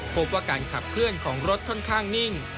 พบว่าการขับเคลื่อนของรถค่อนข้างนิ่ง